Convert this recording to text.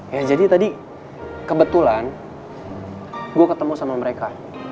ya jadi tadi kebetulan gue ketemu sama mereka